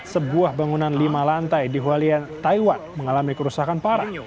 sebuah bangunan lima lantai di holia taiwan mengalami kerusakan parah